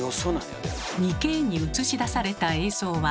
２Ｋに映し出された映像は。